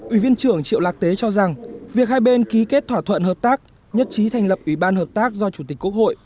ủy viên trưởng triệu lạc tế cho rằng việc hai bên ký kết thỏa thuận hợp tác nhất trí thành lập ủy ban hợp tác do chủ tịch quốc hội